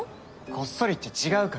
こっそりって違うから。